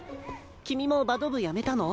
君もバド部辞めたの？